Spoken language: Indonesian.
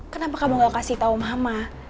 kenapa kamu gak kasih tau mama